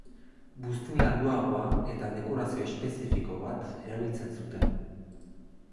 Buztin landuagoa eta dekorazio espezifiko bat erabiltzen zuten.